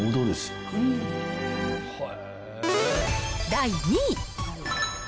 第２位。